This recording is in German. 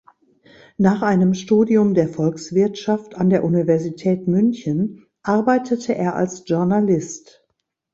Nach einem Studium der Volkswirtschaft an der Universität München arbeitete er als Journalist.